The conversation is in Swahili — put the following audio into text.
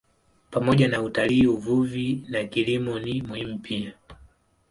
Pamoja na utalii, uvuvi na kilimo ni muhimu pia.